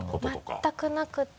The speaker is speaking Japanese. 全くなくって。